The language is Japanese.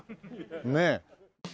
ねえ。